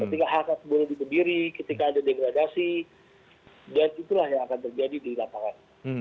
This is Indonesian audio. ketika hakikat buruh ditembiri ketika ada degradasi dan itulah yang akan terjadi di lapangan